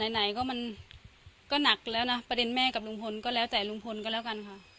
ไหนก็มันก็หนักแล้วนะประเด็นแม่กับลุงพลก็แล้วแต่ลุงพลก็แล้วกันค่ะ